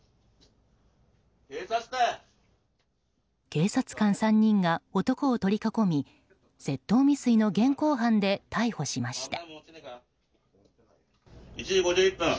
警察官３人が男を取り囲み窃盗未遂の現行犯で逮捕しました。